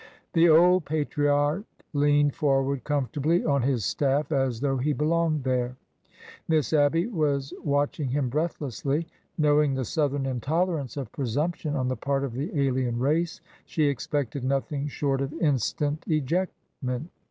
The old patriarch leaned forward comfortably on his staff, as though he belonged there. Miss Abby was watch ing him breathlessly. Knowing the Southern intolerance of presumption on the part of the alien race, she expected nothing short of instant ejectment.